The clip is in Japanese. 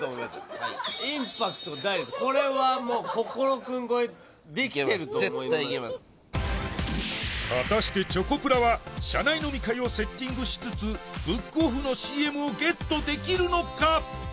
はいこれはもう果たしてチョコプラは社内飲み会をセッティングしつつブックオフのＣＭをゲットできるのか？